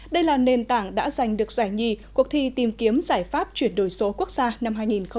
đây là nền tảng đã giành được giải nhì cuộc thi tìm kiếm giải pháp chuyển đổi số quốc gia năm hai nghìn hai mươi